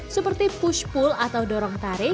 seperti push pull atau dorong tarik